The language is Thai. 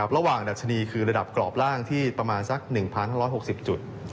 ดัชนีคือระดับกรอบล่างที่ประมาณสัก๑๕๖๐จุด